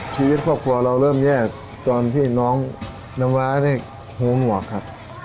ชีวิตครอบครัวเราเริ่มแย่ตอนที่น้องน้ำว้าได้โหงหัวค่ะ